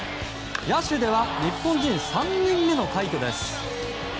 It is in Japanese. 野手では日本人３人目の快挙です。